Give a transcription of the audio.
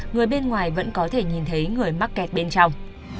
người bên ngoài vẫn có thể nhìn thấy người mắc kẹt bên trong